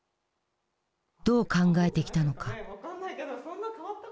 どう考えてきたのか。